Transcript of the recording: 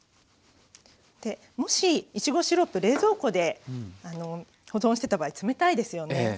もしいちごシロップ冷蔵庫で保存してた場合冷たいですよね。